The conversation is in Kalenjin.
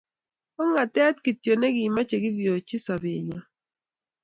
Ongetet kito ne kimechei kevyochi sobenyo